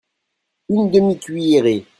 Une demi-cuillerée.